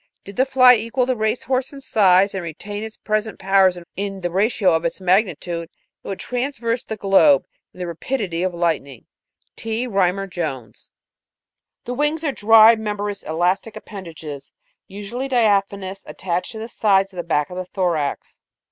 Did the fly equal the race horse in size, and retain its present powers in the ratio of its magnitude, it would traverse the globe with the rapidity of lightning.' " T. Rymer Jones. 27. The wings are dry, membranous, elastic appendages, usu ally diaphanous, attached to the sides of the back of the thorax.